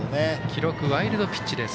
記録ワイルドピッチです。